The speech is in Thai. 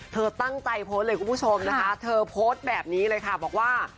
เธอตั้งใจโพสต์เลยคุณผู้ชมนะคะเธอโพสต์แบบนี้เลยค่ะบอกว่า